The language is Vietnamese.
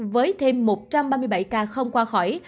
với thêm một trăm ba mươi bảy ca không qua khỏi